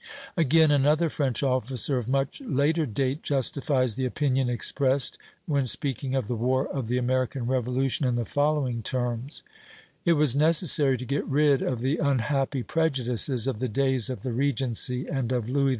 " Again, another French officer, of much later date, justifies the opinion expressed, when speaking of the war of the American Revolution in the following terms: "It was necessary to get rid of the unhappy prejudices of the days of the regency and of Louis XV.